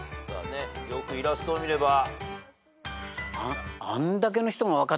よくイラストを見れば。